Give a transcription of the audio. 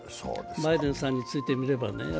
バイデンさんについて見ればね。